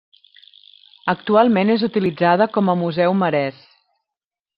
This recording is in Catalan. Actualment és utilitzada com a Museu Marès.